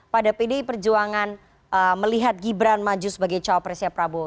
pada pdi perjuangan melihat gibran maju sebagai cawapresnya prabowo